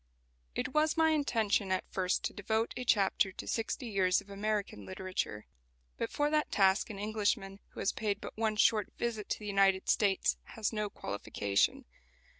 It was my intention at first to devote a chapter to Sixty Years of American Literature. But for that task an Englishman who has paid but one short visit to the United States has no qualification.